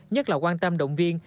nhất là quan tâm đội dân